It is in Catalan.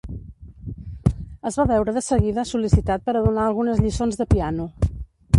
Es va veure de seguida sol·licitat per a donar algunes lliçons de piano.